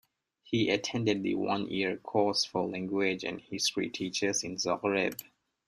He attended the one-year course for language and history teachers in Zagreb.